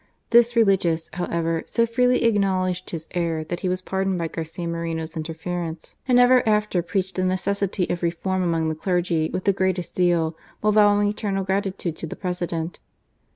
This religious^ however, so^ freely acknowledged his error that he was pardoned . by Garcia Moreno's interference, and ever after preached the necessity of reform among the clergy with the greatest zeal, while vowing eternal grati . tude to the President.